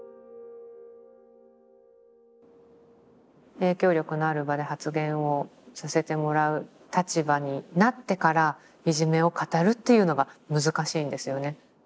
影響力のある場で発言をさせてもらう立場になってからいじめを語るっていうのが難しいんですよね。